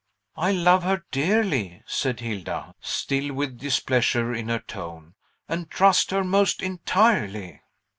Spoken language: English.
"I love her dearly," said Hilda, still with displeasure in her tone, "and trust her most entirely."